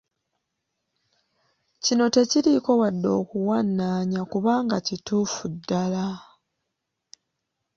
Kino tekiriiko wadde okuwanaanya kubanga kituufu ddala.